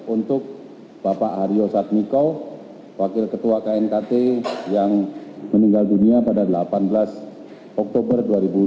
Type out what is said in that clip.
untuk bapak haryo satmiko wakil ketua knkt yang meninggal dunia pada delapan belas oktober dua ribu dua puluh